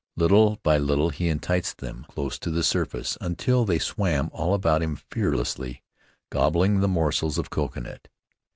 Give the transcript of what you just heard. Little by little he enticed them close to the surface, until they swam all about him fearlessly, gobbling the morsels of coconut.